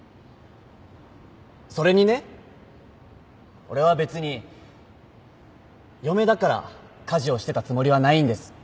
それにね俺は別に嫁だから家事をしてたつもりはないんです。